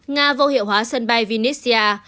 nga vô hiệu hóa sân bay vinnytsia